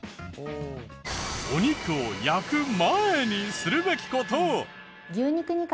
お肉を焼く前にするべき事。